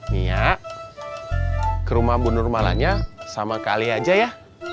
mia ke rumah bunur malanya sama ke alya aja ya